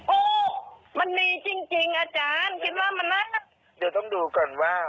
โอ้มันมีจริงจริงอาจารย์คิดว่ามันน่ารักเดี๋ยวต้องดูก่อนว่า